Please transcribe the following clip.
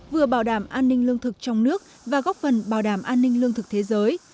vừa bảo đảm an ninh lương thực trong nước và góp phần bảo đảm an ninh lương thực thế giới